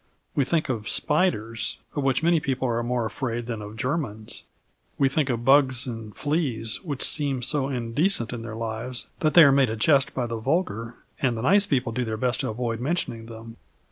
We think of spiders, of which many people are more afraid than of Germans. We think of bugs and fleas, which seem so indecent in their lives that they are made a jest by the vulgar and the nice people do their best to avoid mentioning them.